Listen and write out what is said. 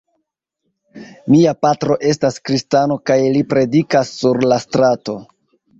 Mia patro estas kristano kaj li predikas sur la strato.